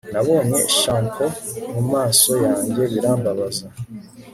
nabonye shampoo mumaso yanjye birambabaza